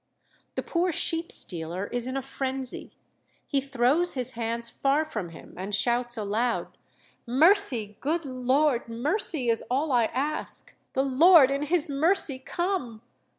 The poor sheep stealer is in a frenzy. He throws his hands far from him, and shouts aloud, 'Mercy, good Lord! mercy is all I ask. The Lord in His mercy come!